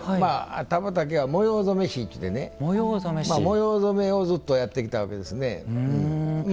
田畑家は模様染師といってね模様染めをずっとやってきたわけですね。